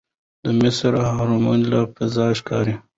د مصر اهرامونه له فضا ښکاري.